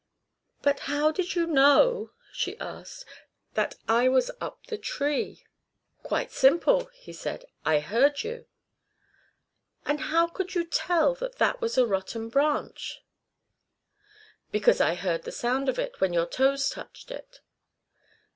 "But how did you know," she asked, "that I was up the tree?" "Quite simple," he said. "I heard you." "And how could you tell that that was a rotten branch?" "Because I heard the sound of it when your toes touched it."